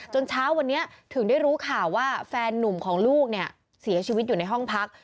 เช้าวันนี้ถึงได้รู้ข่าวว่าแฟนนุ่มของลูกเนี่ยเสียชีวิตอยู่ในห้องพัก